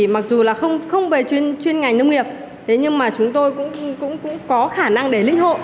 mặc dù là không về chuyên ngành nông nghiệp nhưng mà chúng tôi cũng có khả năng để linh hộ